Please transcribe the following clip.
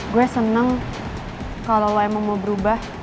gue seneng kalau lo emang mau berubah